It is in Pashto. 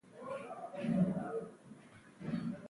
هغه ورته ښه خوندوره ډوډۍ ورکړه.